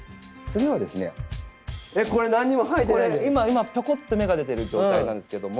今ぴょこって芽が出てる状態なんですけども。